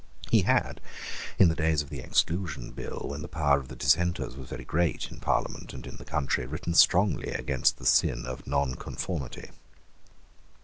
He had, in the days of the Exclusion Bill, when the power of the dissenters was very great in Parliament and in the country, written strongly against the sin of nonconformity.